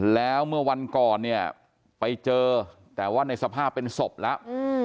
แล้วเมื่อวันก่อนเนี่ยไปเจอแต่ว่าในสภาพเป็นศพแล้ว